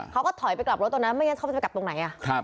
เขาก็ถอยไปกลับรถตรงนั้นไม่งั้นเขาจะไปกลับตรงไหน